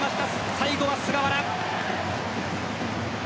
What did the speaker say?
最後は菅原。